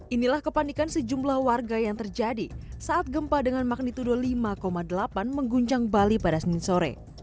inilah kepanikan sejumlah warga yang terjadi saat gempa dengan magnitudo lima delapan mengguncang bali pada senin sore